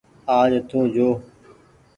آج تو جو۔